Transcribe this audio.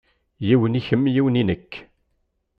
Yiwen i kemm yiwen i nekk.